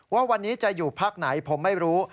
ว่าวันนี้จะอยู่พักไหนผมไม่รู้